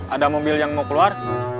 ada mobil yang mau keluar